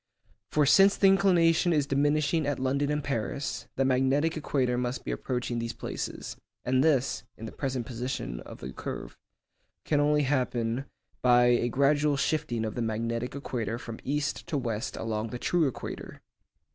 For since the inclination is diminishing at London and Paris, the magnetic equator must be approaching these places, and this (in the present position of the curve) can only happen by a gradual shifting of the magnetic equator from east to west along the true equator.